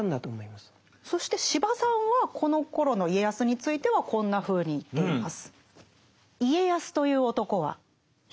そして司馬さんはこのころの家康についてはこんなふうに言っています。